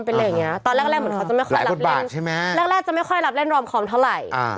ตอนแรกแรกเหมือนเขาจะไม่ค่อยรับเล่นรอบคอมเท่าไหร่